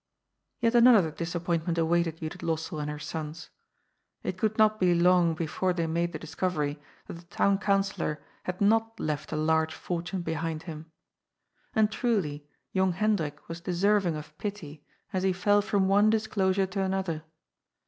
Yet another disappointment awaited Judith Lossell and her sons. It could not be long before they made the dis covery that the Town Councillor had not left a large fortune behind him. And, truly, young Hendrik was deserving of pity, as he fell from one disclosure to another.